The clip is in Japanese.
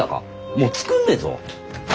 もう作んねえぞ。